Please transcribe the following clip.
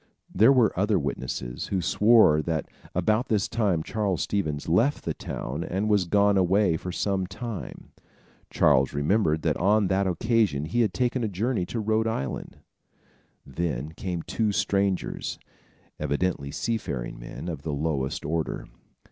There were other witnesses, who swore that about this time Charles Stevens left the town and was gone away for some time. Charles remembered that on that occasion he had taken a journey to Rhode Island. Then came two strangers, evidently sea faring men, of the lowest order.